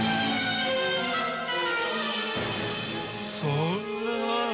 そんな。